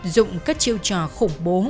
dùng các chiêu trò khủng bố